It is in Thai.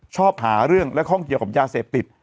ชอบหาเรื่องและข้องเกี่ยวกับยาเสพติด